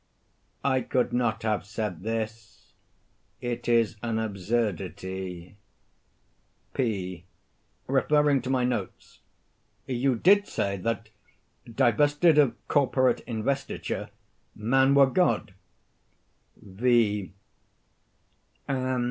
_] I could not have said this; it is an absurdity. P. [Referring to my notes.] You did say that "divested of corporate investiture man were God." _V.